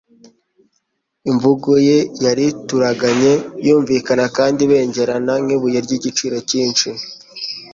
Imvugo ye yari ituruganye, yumvikana kandi ibengerana nk'ibuye ry'igiciro cyinshi.